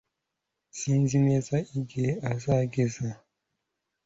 Sinzi neza igihe azagera